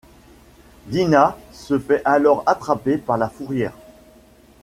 Dinah se fait alors attraper par la fourrière.